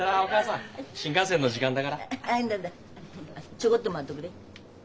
ちょごっと待っどぐれ。